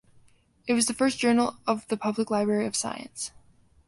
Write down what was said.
It was the first journal of the Public Library of Science.